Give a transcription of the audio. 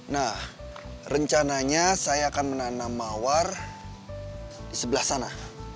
nah rencananya saya akan menanam mawar di sebelah sana